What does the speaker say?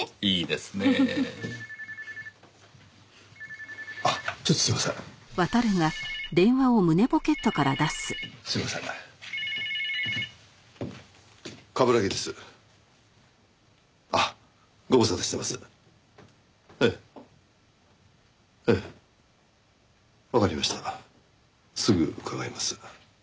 すぐ伺います。